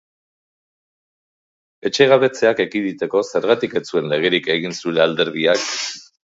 Etxegabetzeak ekiditeko zergatik ez zuen legerik egin zure alderdiak?